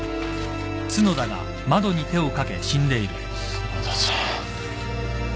角田さん。